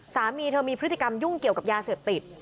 สามีเธอมีพฤติกรรมยุ่งเกี่ยวกับยาเสพติด